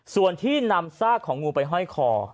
ส่วนที่นำซากของงูไปห้อยคอ